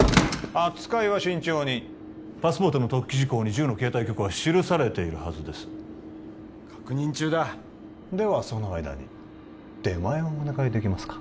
扱いは慎重にパスポートの特記事項に銃の携帯許可は記されているはずです確認中だではその間に出前をお願いできますか？